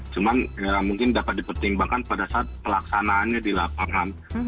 cuman mungkin dapat dipertimbangkan pada saat pelaksanaannya di lapangan